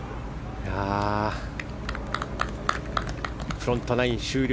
フロントナイン終了